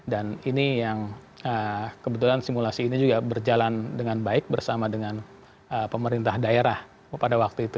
ini yang kebetulan simulasi ini juga berjalan dengan baik bersama dengan pemerintah daerah pada waktu itu